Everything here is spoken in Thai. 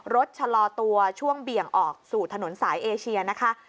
ชะลอตัวช่วงเบี่ยงออกสู่ถนนสายเอเชียนะคะ